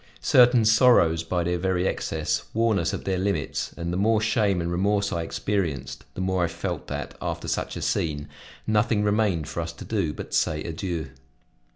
Certain sorrows, by their very excess, warn us of their limits, and the more shame and remorse I experienced, the more I felt that, after such a scene, nothing remained for us to do but to say adieu.